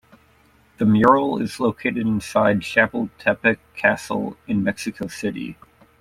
The mural is located inside Chapultepec Castle in Mexico City.